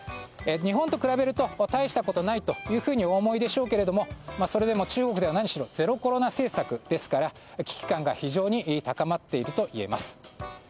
日本と比べると大したことないというふうにお思いでしょうけどそれでも中国では何しろゼロコロナ政策ですから危機感が非常に高まっているといえます。